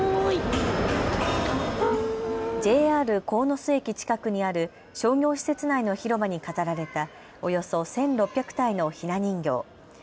ＪＲ鴻巣駅近くにある商業施設内の広場に飾られたおよそ１６００体のひな人形。